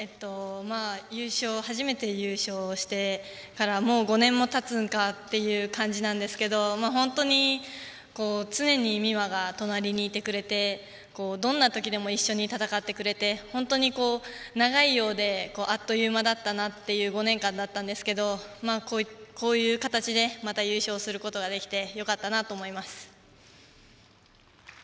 初めて優勝してからもう５年たつのかっていう感じですけど本当に常に美誠が隣にいてくれてどんな時でも一緒に戦ってくれて本当に長いようであっという間だったなという５年間だったんですけどこういう形でまた優勝することができてよかったなと思います。